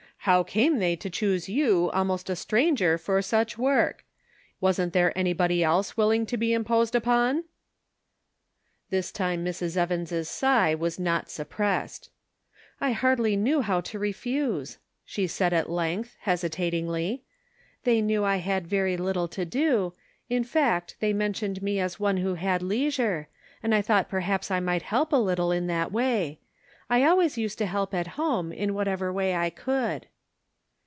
How came they to choose you, almost a stranger, for such work ? Wasn't there anybody else willing to be im posed upon?" This time Mrs. Evans' sigh was not sup pressed. Cake and Benevolence. 47 "I hardly knew how to refuse," she said at length, hesitatingly. " They knew I had very little to do ; in fact, they mentioned me as one who had leisure, and I thought perhaps I might help a little in that way ; I always used to help at* home, in whatever way I could."